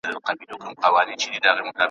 تر قیامته بل ته نه سوای خلاصېدلای ,